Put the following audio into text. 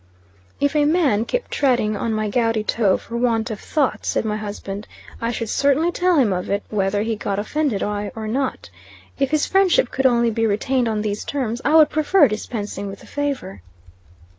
"If a man kept treading on my gouty toe for want of thought," said my husband, "I should certainly tell him of it, whether he got offended I or not. If his friendship could only be retained on these terms, I would prefer dispensing with the favor."